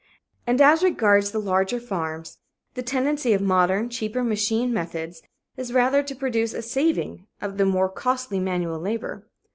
And as regards the larger farms, the tendency of modern, cheaper machine methods is rather to produce a saving of the more costly manual labor."